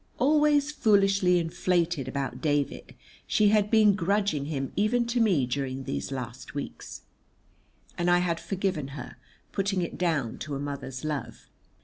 Always foolishly inflated about David, she had been grudging him even to me during these last weeks, and I had forgiven her, putting it down to a mother's love.